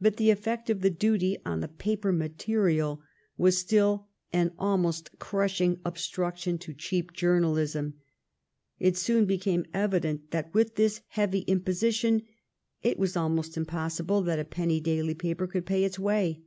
But the effect of the duty on the paper material was still an almost crushing obstruction to cheap journalism. It soon became evident that with this heavy imposition it was almost impos sible that a penny daily paper could pay its way.